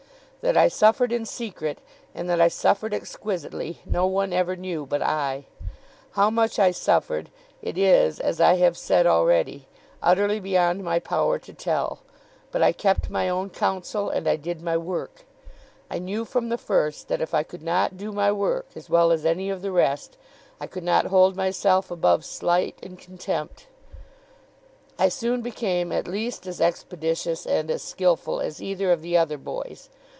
That I suffered in secret, and that I suffered exquisitely, no one ever knew but I. How much I suffered, it is, as I have said already, utterly beyond my power to tell. But I kept my own counsel, and I did my work. I knew from the first, that, if I could not do my work as well as any of the rest, I could not hold myself above slight and contempt. I soon became at least as expeditious and as skilful as either of the other boys.